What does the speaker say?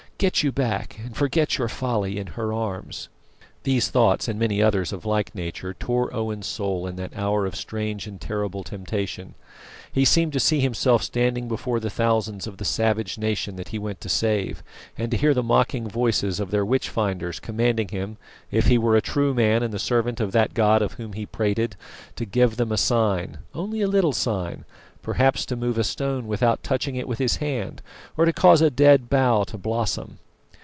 Get you back, and forget your folly in her arms." These thoughts, and many others of like nature, tore Owen's soul in that hour of strange and terrible temptation. He seemed to see himself standing before the thousands of the savage nation he went to save, and to hear the mocking voices of their witch finders commanding him, if he were a true man and the servant of that God of Whom he prated, to give them a sign, only a little sign; perhaps to move a stone without touching it with his hand, or to cause a dead bough to blossom.